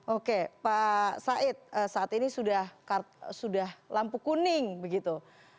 oke pak said saat ini sudah lampu kuning begitu